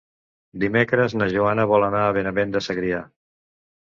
Dimecres na Joana vol anar a Benavent de Segrià.